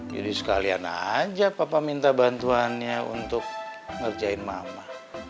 jadi sekalian aja papa minta bantuannya untuk ngerjain mama